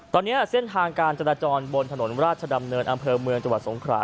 ตอนนี้เส้นทางการจราจรบนถนนราชดำเนินอำเภอเมืองจังหวัดสงขรา